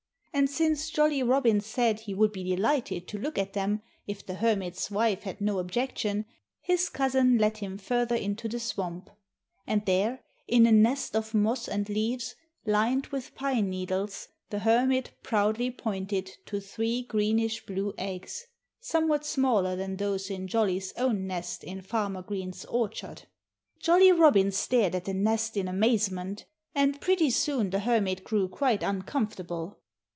And since Jolly Robin said he would be delighted to look at them, if the Hermit's wife had no objection, his cousin led him further into the swamp. And there, in a nest of moss and leaves, lined with pine needles, the Hermit proudly pointed to three greenish blue eggs, somewhat smaller than those in Jolly's own nest in Farmer Green's orchard. Jolly Robin stared at the nest in amazement. And pretty soon the Hermit grew quite uncomfortable.